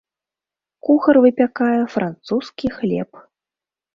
Кухар выпякае французскі хлеб.